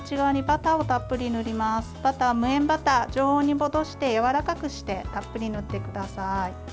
バターは無塩バターを常温に戻してやわらかくしてたっぷり塗ってください。